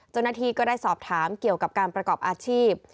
เจ้าหน้าที่ก็ได้สอบถามเกี่ยวกับการประกอบอาชีพ